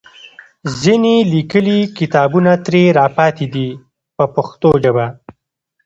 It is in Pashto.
ځینې لیکلي کتابونه ترې راپاتې دي په پښتو ژبه.